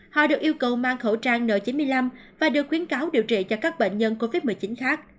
họ được yêu cầu mang khẩu trang n chín mươi năm và được khuyến cáo điều trị cho các bệnh nhân covid một mươi chín khác